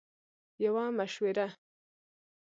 - یوه مشوره 💡